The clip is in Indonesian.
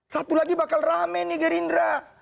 satu lagi bakal rame nih gerindra